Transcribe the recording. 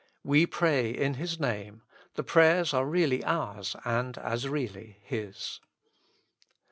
We pray in His Name ; the prayers are really ours and as really His.